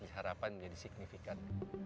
diharapkan menjadi signifikan